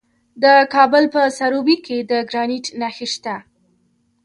د کابل په سروبي کې د ګرانیټ نښې شته.